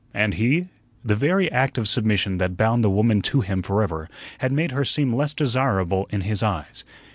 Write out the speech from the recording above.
And he? The very act of submission that bound the woman to him forever had made her seem less desirable in his eyes.